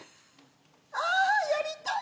あやりたい！